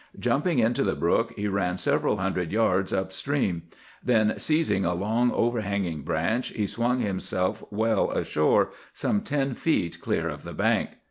Jumping into the brook he ran several hundred yards up stream; then, seizing a long, overhanging branch, he swung himself well ashore, some ten feet clear of the bank.